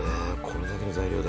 これだけの材料で。